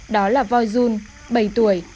đó là voi jun bảy tuổi